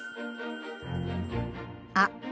あ！